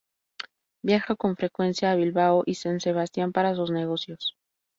Viaja con frecuencia a Bilbao y San Sebastián para sus negocios.